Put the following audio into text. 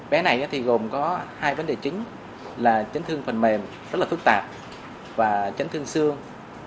bé này thì gồm có hai vấn đề chính là chấn thương phần mềm rất là phức tạp và chấn thương xương